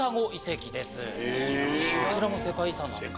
こちらも世界遺産なんですね。